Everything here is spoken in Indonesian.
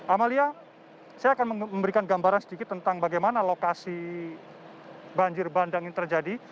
amalia saya akan memberikan gambaran sedikit tentang bagaimana lokasi banjir bandang ini terjadi